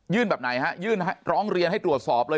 ยื่นแบบไหนคะยื่นตรงเรียนให้ตรวจสอบเลย